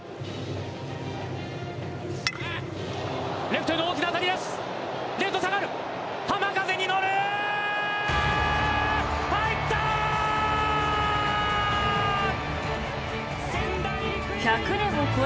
レフトへの大きな当たりです！